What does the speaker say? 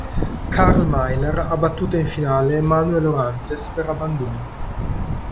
Karl Meiler ha battuto in finale Manuel Orantes per abbandono.